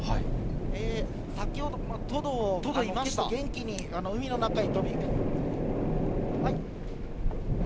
先ほど、トド、元気に海の中に。